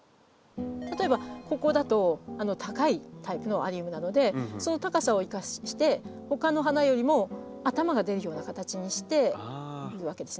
例えばここだと高いタイプのアリウムなのでその高さを生かしてほかの花よりも頭が出るような形にしているわけですね。